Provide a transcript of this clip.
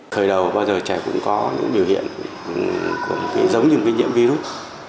thời đầu bao giờ trẻ cũng có những biểu hiện giống như nhiễm virus